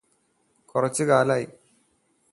കുറച്ച് കാലമായി